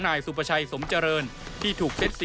นายสุปชัยสมเจริญที่ถูก